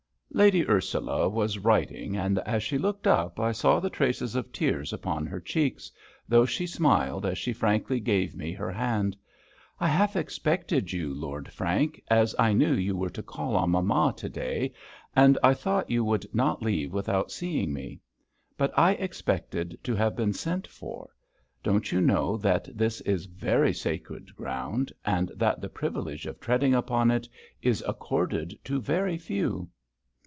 Lady Ursula was writing, and as she looked up I saw the traces of tears upon her cheeks, though she smiled as she frankly gave me her hand. "I half expected you, Lord Frank, as I knew you were to call on mamma to day, and I thought you would not leave without seeing me; but I expected to have been sent for. Don't you know that this is very sacred ground, and that the privilege of treading upon it is accorded to very few?"